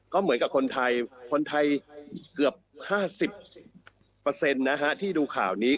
ก็เหมือนกับคนไทยคนไทยเกือบ๕๐นะฮะที่ดูข่าวนี้